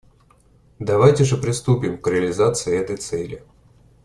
Давайте же приступим к реализации этой цели.